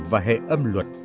và hệ âm luật